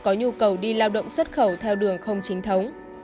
có nhu cầu đi lao động xuất khẩu theo đường không chính thống